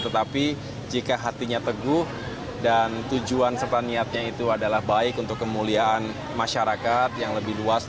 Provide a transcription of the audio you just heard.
tetapi jika hatinya teguh dan tujuan serta niatnya itu adalah baik untuk kemuliaan masyarakat yang lebih luas